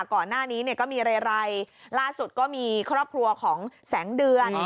ก่อนหน้านี้เนี่ยก็มีเรไรล่าสุดก็มีครอบครัวของแสงเดือน